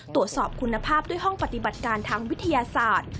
ตรวจสอบคุณภาพด้วยห้องปฏิบัติการทางวิทยาศาสตร์